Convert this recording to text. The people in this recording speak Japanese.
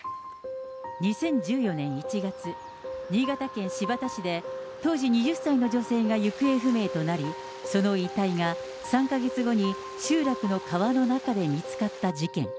２０１４年１月、新潟県新発田市で当時２０歳の女性が行方不明となり、その遺体が３か月後に集落の川の中で見つかった事件。